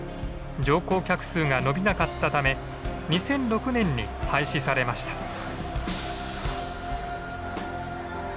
乗降客数が伸びなかったため２００６年に廃止されました。